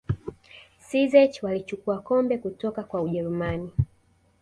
czech walichukua kombe kutoka kwa ujerumani